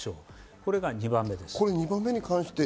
これが２番目です。